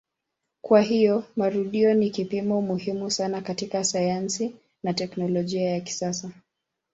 Kwa hiyo marudio ni kipimo muhimu sana katika sayansi na teknolojia ya kisasa.